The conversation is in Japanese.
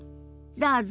どうぞ。